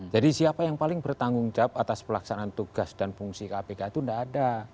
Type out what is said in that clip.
jadi siapa yang paling bertanggung jawab atas pelaksanaan tugas dan fungsi kpk itu nggak ada